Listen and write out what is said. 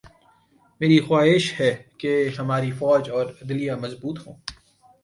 میری خواہش ہے کہ ہماری فوج اور عدلیہ مضبوط ہوں۔